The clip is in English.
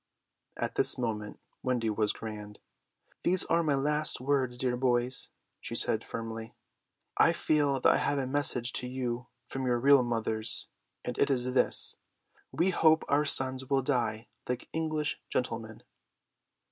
At this moment Wendy was grand. "These are my last words, dear boys," she said firmly. "I feel that I have a message to you from your real mothers, and it is this: 'We hope our sons will die like English gentlemen.